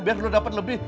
biar lo dapet lebih